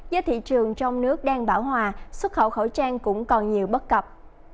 do thị trường trong nước đang bảo hòa xuất khẩu khẩu trang cũng còn nhiều bất cập